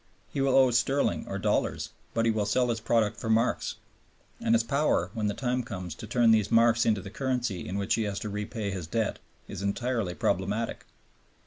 He will owe sterling or dollars, but he will sell his product for marks, and his power, when the time comes, to turn these marks into the currency in which he has to repay his debt is entirely problematic.